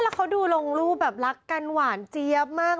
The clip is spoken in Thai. แล้วเขาดูลงรูปแบบรักกันหวานเจี๊ยบมาก